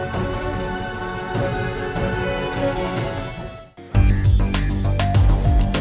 kenapa kamu mencari cari kamar bayinya dewa